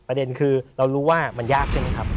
ประเด็นคือเรารู้ว่ามันยากใช่ไหมครับ